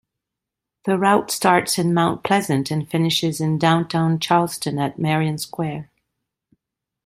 The route starts in Mount Pleasant and finishes in downtown Charleston at Marion Square.